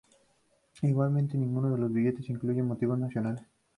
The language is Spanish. Igualmente, ninguno de los billetes incluye motivos nacionales.